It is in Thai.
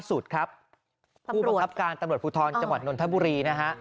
ผู้บังคับการณ์ตำรวจภูทรจังหวัดนนทบุรีนะฮะ